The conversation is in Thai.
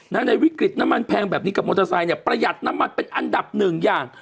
ในวิกฤตน้ำมันแพงแบบนี้กับมอเตอร์ไซค์เนี่ยประหยัดน้ำมันเป็นอันดับหนึ่งอย่าง